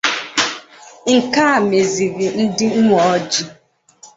Nke a mezịrị ndị uweojii